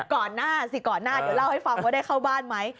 ก่อนหน้าสิก่อนหน้าเดี๋ยวเล่าให้ฟังว่าได้เข้าบ้านไหม